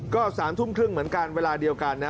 ก็๓ทุ่มครึ่งเหมือนกันเวลาเดียวกันนะ